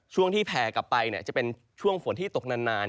ช่วงที่แผ่กลับไปจะเป็นช่วงฝนที่ตกนาน